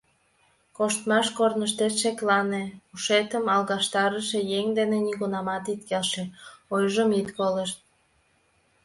Коштмаш корныштет шеклане, ушетым алгаштарыше еҥ дене нигунамат ит келше, ойжым ит колышт.